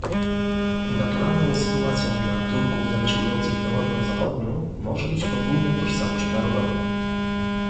Naturalną sytuacją dla Turków zamieszkujących Europę Zachodnią może być podwójna tożsamość narodowa